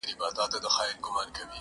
ګرځېدلی وو پر ونو او پر ژر ګو؛